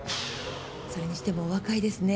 それにしてもお若いですね。